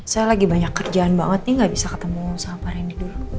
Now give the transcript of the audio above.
saya lagi banyak kerjaan banget nih gak bisa ketemu sama pak rendy dulu